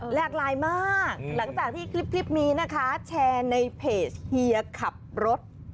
หลากหลายมากหลังจากที่คลิปนี้นะคะแชร์ในเพจเฮียขับรถ